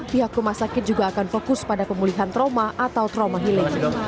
pihak rumah sakit juga akan fokus pada pemulihan trauma atau trauma healing